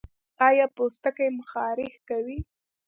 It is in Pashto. ایا پوستکی مو خارښ کوي؟